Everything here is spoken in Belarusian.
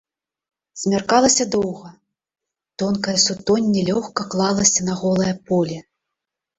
Змяркалася доўга, тонкае сутонне лёгка клалася на голае поле.